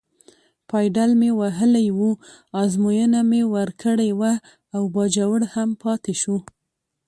پایډل مې وهلی و، ازموینه مې ورکړې وه او باجوړ هم پاتې شو.